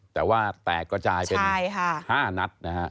แต่ว่าแตกกระจายเป็น๕นัดนะฮะ